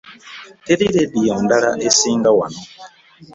Teri leediyo ndala esinga wano.